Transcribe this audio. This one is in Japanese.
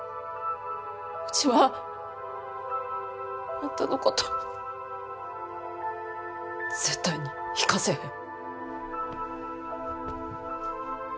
ウチはあんたのこと絶対に行かせへん。